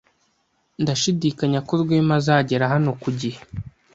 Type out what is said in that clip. Ndashidikanya ko Rwema azagera hano ku gihe.